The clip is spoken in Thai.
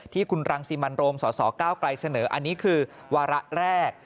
ที่คุณรังสิมันโรมสสเก้าไกลเสนออันนี้คือวาระแรก